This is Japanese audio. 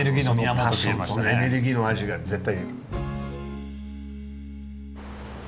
エネルギーの味が絶対。